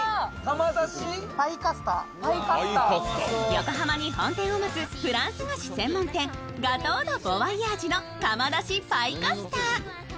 横浜に本店を持つフランス菓子専門店、ガトー・ド・ボワイヤージュの窯出しパイカスター。